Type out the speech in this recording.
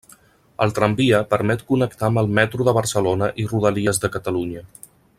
El tramvia permet connectar amb el Metro de Barcelona i Rodalies de Catalunya.